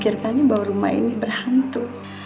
kami juga memikirkannya bahwa rumah ini berhantu